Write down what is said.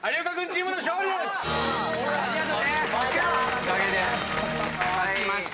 おかげで勝ちました。